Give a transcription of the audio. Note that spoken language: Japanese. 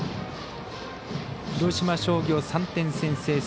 広島商業、３点先制。